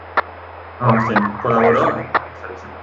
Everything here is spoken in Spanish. Colaboró en la revista "Journal Ortodoxa Rusa".